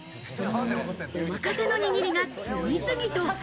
お任せの握りが次々と。